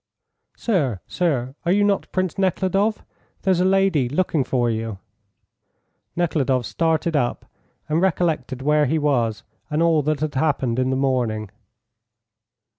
"Sir, sir, are you not Prince Nekhludoff? There's a lady looking for you." Nekhludoff started up and recollected where he was and all that had happened in the morning.